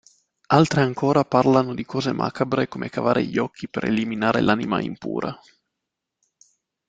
Altre ancora parlano di cose macabre come cavare gli occhi per eliminare l'anima impura.